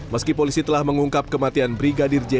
meski polisi telah mengungkap kematian brigadir j